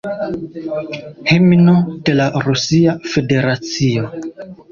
Himno de la Rusia Federacio.